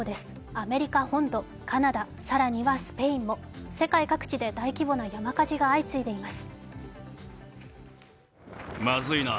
アメリカ本土、カナダ、更にはスペインも世界各地で大規模な山火事が相次いでいます。